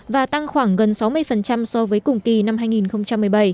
và tăng khoảng gần sáu mươi so với cùng kỳ năm hai nghìn một mươi bảy